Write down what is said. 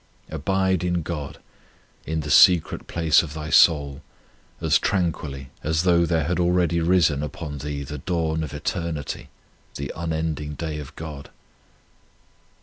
Abide in God in the secret place of thy soul as tranquilly as though there had already risen upon thee the dawn of Eternity, the unending Day of God.